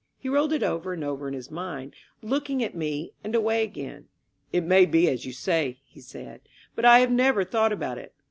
He rolled it over and over in his mind, looking at me and away again. It may be as you say," he said ; "but I have never thought about it.